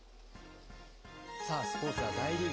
スポーツは大リーグ。